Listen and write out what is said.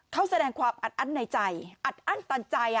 เขาแสดงความอัดอั้นในใจอัดอั้นตันใจ